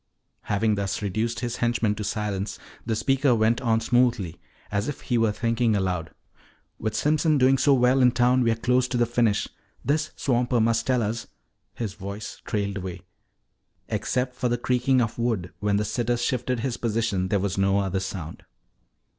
Having thus reduced his henchman to silence, the speaker went on smoothly, as if he were thinking aloud. "With Simpson doing so well in town, we're close to the finish. This swamper must tell us " His voice trailed away. Except for the creaking of wood when the sitter shifted his position, there was no other sound.